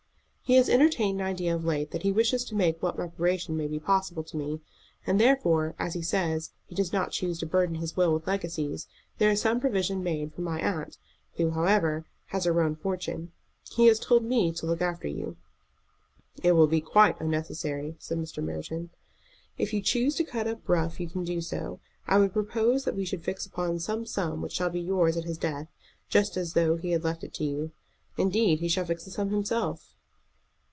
"He has entertained an idea of late that he wishes to make what reparation may be possible to me; and therefore, as he says, he does not choose to burden his will with legacies. There is some provision made for my aunt, who, however, has her own fortune. He has told me to look after you." "It will be quite unnecessary," said Mr. Merton. "If you choose to cut up rough you can do so. I would propose that we should fix upon some sum which shall be yours at his death, just as though he had left it to you. Indeed, he shall fix the sum himself."